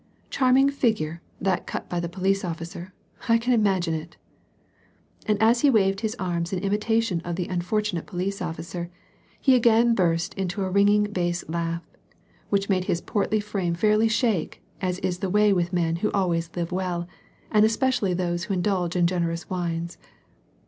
"Charm ing figure, that cut by the police officer, — I can imagine it !" And as he waved his arms in imitation of the unfortunate* police officer, he again burst out into a ringing bass laugh, which made his portly frame fairly shake, as is the way with men who always live well, and especially those who indulge in generous wines.